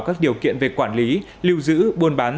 các điều kiện về quản lý lưu giữ buôn bán